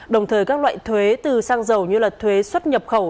đồng thời các loại thuế từ xăng dầu như thuế xuất nhập khẩu